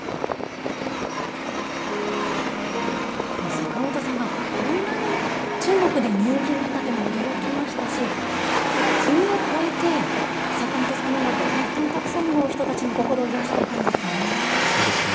坂本さんがこんなに中国で人気があったというのは驚きましたし、国を越えて、坂本さんの音楽は本当にたくさんの人たちの心を癒やしていたんでそうですね。